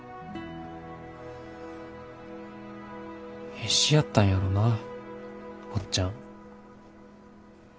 必死やったんやろなおっちゃん。